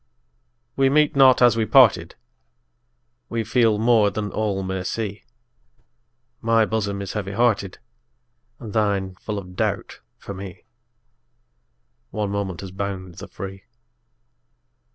We meet not as we parted, We feel more than all may see; My bosom is heavy hearted, And thine full of doubt for me: One moment has bound the free.